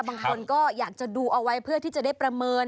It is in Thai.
บางคนก็อยากจะดูเอาไว้เพื่อที่จะได้ประเมิน